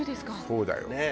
そうだよ。